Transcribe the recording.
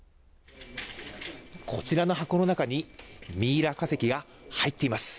こちらの箱の中にミイラ化石が入っています。